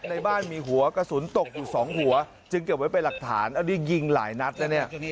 ในบ้านมีหัวกระสุนตกอยู่สองหัวจึงเก็บไว้เป็นหลักฐานอันนี้ยิงหลายนัดนะเนี่ย